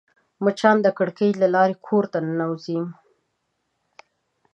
مچان د کړکۍ له لارې کور ته ننوزي